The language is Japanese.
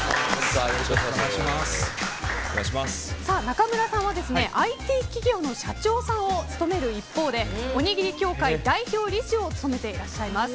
中村さんはＩＴ企業の社長さんを務める一方でおにぎり協会代表理事を務めていらっしゃいます。